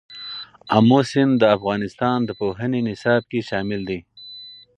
آمو سیند د افغانستان د پوهنې نصاب کې شامل دی.